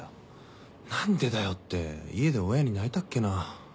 「何でだよ」って家で親に泣いたっけな。